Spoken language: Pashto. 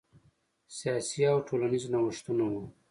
سیاسي او ټولنیز نوښتونه وو.